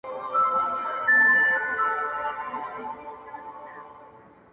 ور شریک یې په زګېروي په اندېښنې سو.!